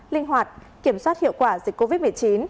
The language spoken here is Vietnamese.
linh hoạt kiểm soát hiệu quả dịch covid một mươi chín